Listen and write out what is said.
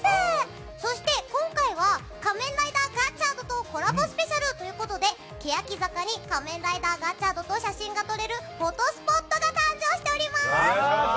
そして、今回は「仮面ライダーガッチャード」とコラボスペシャルということでけやき坂広場に仮面ライダーガッチャードと写真を撮れるフォトスポットが誕生しています。